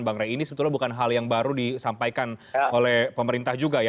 bang rey ini sebetulnya bukan hal yang baru disampaikan oleh pemerintah juga ya